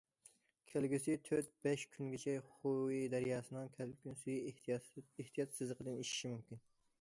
كەلگۈسى تۆت، بەش كۈنگىچە، خۇەيخې دەرياسىنىڭ كەلكۈن سۈيى ئېھتىيات سىزىقىدىن ئېشىشى مۇمكىن.